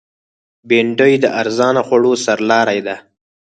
بېنډۍ د ارزانه خوړو سرلاری ده